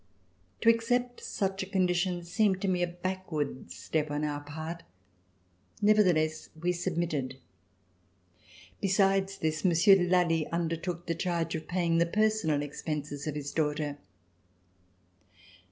To accept such a condition seemed to me a backward step on our part, nevertheless, we submitted. Besides this, Monsieur de Lally undertook the charge of pay ing the personal expenses of his daughter.